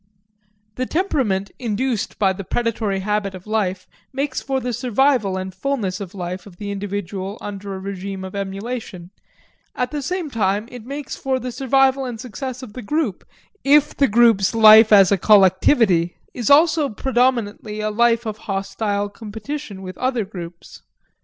The temperament induced by the predatory habit of life makes for the survival and fullness of life of the individual under a regime of emulation; at the same time it makes for the survival and success of the group if the group's life as a collectivity is also predominantly a life of hostile competition with other groups.